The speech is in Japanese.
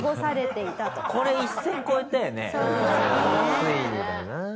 ついにだな。